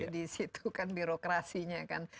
disitu kan birokrasinya